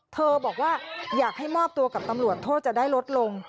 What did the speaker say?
บอกว่าอยากให้มอบตัวกับตำรวจโทษจะได้ลดลง